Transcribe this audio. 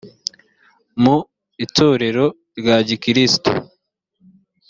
mu itorero rya gikristo